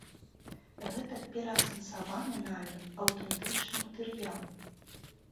Гэта пераасэнсаваны намі аўтэнтычны матэрыял.